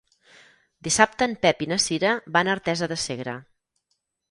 Dissabte en Pep i na Cira van a Artesa de Segre.